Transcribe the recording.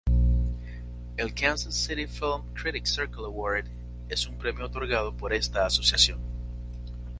El Kansas City Film Critics Circle Award es un premio otorgado por esta asociación.